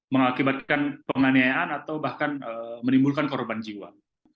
mengakibatkan penganiayaan atau bahkan menimbulkan korban jiwa